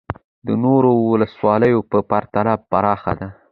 د نورو ولسوالیو په پرتله پراخه ده